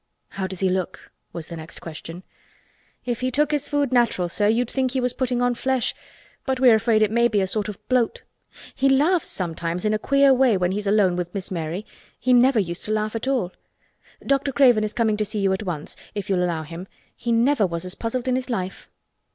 "How does he look?" was the next question. "If he took his food natural, sir, you'd think he was putting on flesh—but we're afraid it may be a sort of bloat. He laughs sometimes in a queer way when he's alone with Miss Mary. He never used to laugh at all. Dr. Craven is coming to see you at once, if you'll allow him. He never was as puzzled in his life."